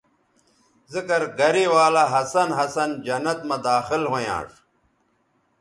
ذکر گرے ولہ ہسن ہسن جنت مہ داخل ھویانݜ